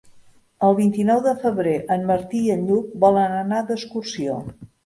El vint-i-nou de febrer en Martí i en Lluc volen anar d'excursió.